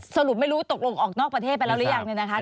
สรุปไม่รู้ตกลงออกนอกประเทศไปแล้วหรือยังเนี่ยนะคะ